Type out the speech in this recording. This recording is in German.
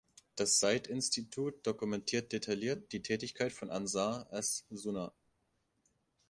Das Site-Institute dokumentiert detailliert die Tätigkeit von Ansar as-Sunna.